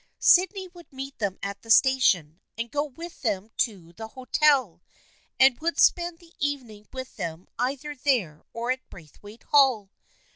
Sydney would meet them at the station and go with them to the hotel, and would spend the evening with them either there or at Braithwaite Hall.